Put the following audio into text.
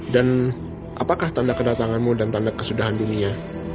dan apakah tanda kedatanganmu dan tanda kesudahan dunia